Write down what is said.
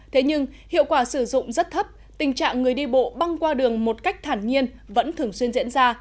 thế nhưng hiệu quả sử dụng rất thấp tình trạng người đi bộ băng qua đường một cách thản nhiên vẫn thường xuyên diễn ra